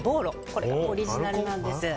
これがオリジナルなんです。